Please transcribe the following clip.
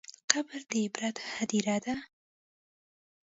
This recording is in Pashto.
قبر د عبرت هدیره ده.